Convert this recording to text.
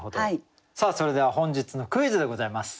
さあそれでは本日のクイズでございます。